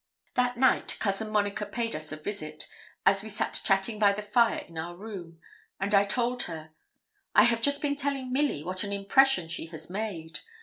That night Cousin Monica paid us a visit, as we sat chatting by the fire in our room; and I told her 'I have just been telling Milly what an impression she has made.